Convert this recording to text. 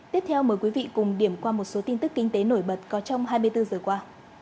tiếp theo mời quý vị cùng điểm qua một số tin tức kinh tế nổi bật có trong hai mươi bốn giờ qua